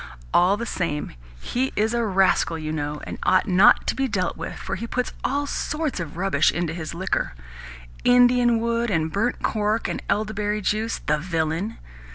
All the same, he is a rascal, you know, and ought not to be dealt with, for he puts all sorts of rubbish into his liquor Indian wood and burnt cork and elderberry juice, the villain!